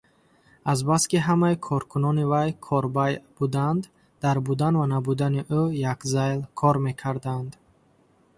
Азбаски ҳамаи коркунони вай корбайъ буданд, дар будан ва набудани ӯ якзайл кор мекарданд.